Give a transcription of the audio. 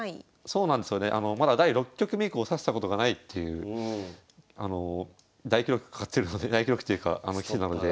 そうなんですよねまだ第６局目以降指したことがないっていう大記録大記録というか棋士なので。